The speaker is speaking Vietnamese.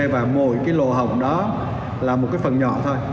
và mỗi cái lộ hỏng đó là một cái phần nhỏ thôi